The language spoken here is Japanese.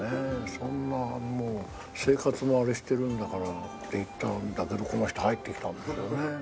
そんなもう生活もあれしてるんだからって言ったんだけどこの人入ってきたんですよね。